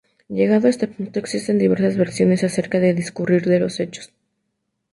Llegados a este punto, existen diversas versiones acerca del discurrir de los hechos.